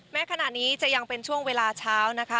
แม้ขณะนี้จะยังเป็นช่วงเวลาเช้านะคะ